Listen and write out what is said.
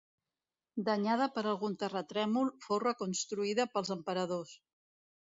Danyada per algun terratrèmol, fou reconstruïda pels emperadors.